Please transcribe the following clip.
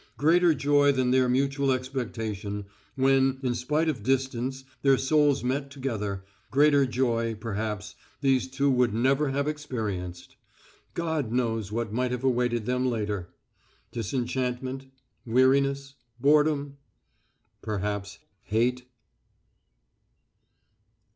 Greater joy than their mutual expectation, when, in spite of distance, their souls met together greater joy, perhaps, these two would never have experienced! God knows what might have awaited them later! Dischantment? Weariness? Boredom? Perhaps hate?